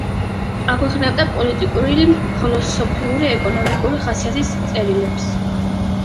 აქვეყნებდა პოლიტიკური, ფილოსოფიური, ეკონომიკური ხასიათის წერილებს.